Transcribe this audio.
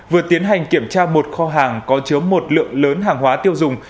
vừa tiến hành kiểm tra một kho hàng có chứa một lượng lớn hàng hóa tiêu dùng